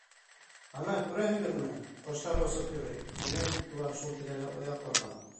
Ана, күрәһегеҙме, ҡоштар осоп йөрөй; тимәк, улар шул тирәлә оя ҡорған.